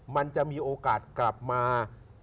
มันจะมีโอกาสกลับมา